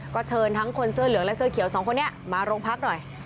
ก็เชิญทั้งคนเสื้อเหลืองและเสื้อเขียวสองคนนี้มาโรงพักหน่อย